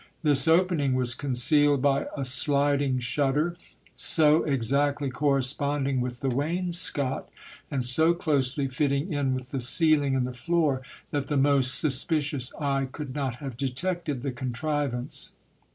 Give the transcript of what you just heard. This opening was concealed by a sliding shutter, so exactly corresponding with the wainscot, and so closely fitting in with the ceil ing and the floor, that the most suspicious eye could not have detected the contrivance.